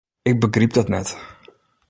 Ik begryp dat net.